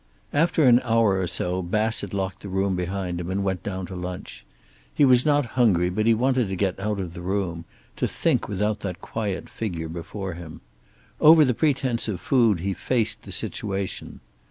After an hour or so Bassett locked the door behind him and went down to lunch. He was not hungry, but he wanted to get out of the room, to think without that quiet figure before him. Over the pretence of food he faced the situation.